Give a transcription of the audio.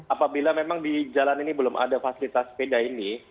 apabila memang di jalan ini belum ada fasilitas sepeda ini